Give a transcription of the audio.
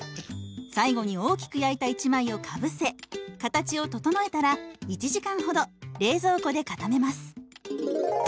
最後に大きく焼いた１枚をかぶせ形を整えたら１時間ほど冷蔵庫で固めます。